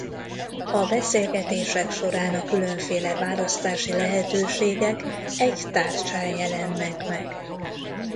A beszélgetések során a különféle választási lehetőségek egy tárcsán jelennek meg.